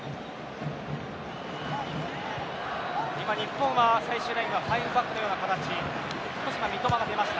今、日本は最終ラインは５バックのような形。